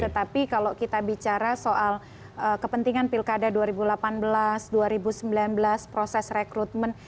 tetapi kalau kita bicara soal kepentingan pilkada dua ribu delapan belas dua ribu sembilan belas proses rekrutmen